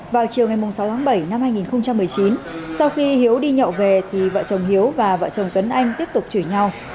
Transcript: vào chiều ngày sáu tháng bảy năm hai nghìn một mươi chín sau khi hiếu đi nhậu về thì vợ chồng hiếu và vợ chồng tuấn anh tiếp tục chửi nhau